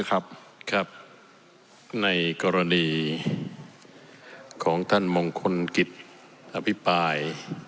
ครับครับในกรณีของท่านมงคลกิจอภิปราย